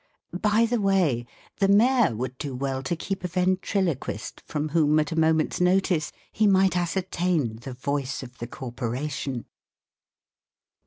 By the way, the Mayor would do well to keep a ventriloquist, from whom, at a moment's notice, he might ascertain the voice of the corporation.